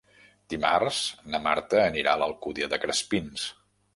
Dimarts na Marta anirà a l'Alcúdia de Crespins.